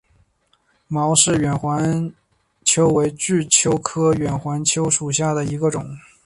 毛氏远环蚓为巨蚓科远环蚓属下的一个种。